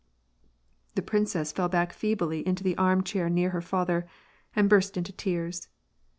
The princess fell back feebly in the arm chair near her father, and burst into tears.